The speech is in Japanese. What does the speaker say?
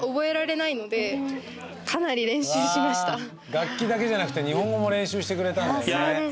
楽器だけじゃなくて日本語も練習してくれたんですね。